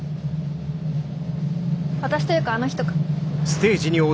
私というかあの人か。